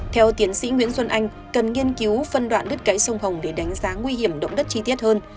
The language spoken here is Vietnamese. theo tiến sĩ nguyễn xuân anh cần nghiên cứu phân đoạn đất gãy sông hồng để đánh giá nguy hiểm động đất chi tiết hơn